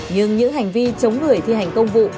nhưng những hành vi chống người thi hành công vụ